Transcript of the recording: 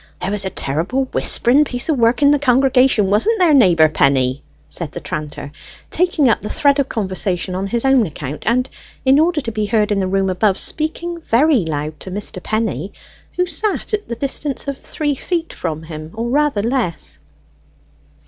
There was a terrible whispering piece of work in the congregation, wasn't there, neighbour Penny?" said the tranter, taking up the thread of conversation on his own account and, in order to be heard in the room above, speaking very loud to Mr. Penny, who sat at the distance of three feet from him, or rather less.